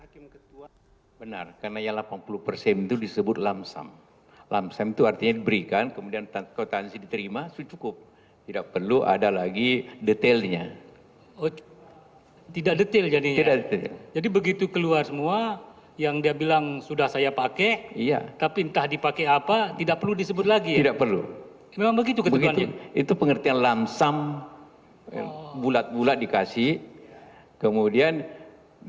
di sidang banding hukuman ini diperberat menjadi sepuluh tahun penjara selama lima tahun setelah pidana dijalani